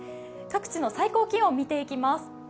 各地の最高気温、見ていきます。